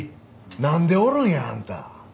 なんでおるんやあんた！